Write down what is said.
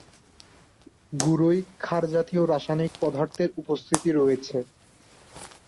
গুড়োয় ক্ষারজাতীয় রাসায়নিক পদার্থের উপস্থিতি রয়েছে।